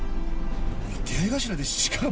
出合い頭で鹿が。